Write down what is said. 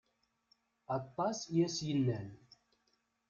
Atas i as-yennan.